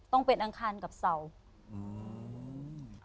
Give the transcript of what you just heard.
ต้องเป็นอังคารกับเสาร์